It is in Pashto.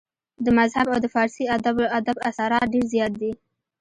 د مذهب او د فارسي ادب اثرات ډېر زيات دي